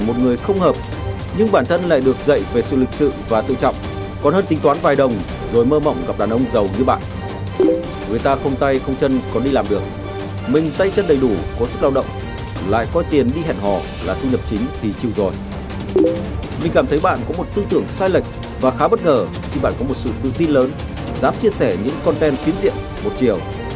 mình cảm thấy bạn có một tư tưởng sai lệch và khá bất ngờ khi bạn có một sự tự tin lớn dám chia sẻ những content kiến diện một chiều